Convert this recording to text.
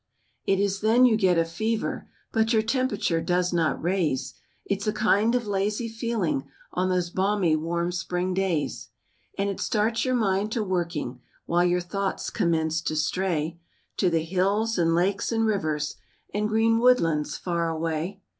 It is then you get a fever, But your temp'ture does not raise, It's a kind of lazy feeling On those balmy warm spring days. And it starts your mind to working, While your thoughts commence to stray, To the hills and lakes and rivers, And green woodlands far away.